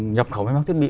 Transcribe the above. nhập khẩu máy móc thiết bị